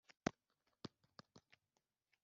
ntabwo yari yarigeze avugana na perezida kuri ibyo.